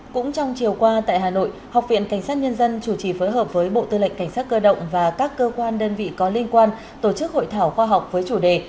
cũng trong chiều qua tại hà nội học viện cảnh sát nhân dân chủ trì phối hợp với bộ tư lệnh cảnh sát cơ động và các cơ quan đơn vị có liên quan tổ chức hội thảo khoa học với chủ đề